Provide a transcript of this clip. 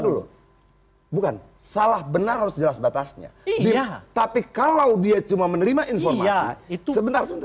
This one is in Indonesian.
dulu bukan salah benar harus jelas batasnya tapi kalau dia cuma menerima informasi itu sebentar sebentar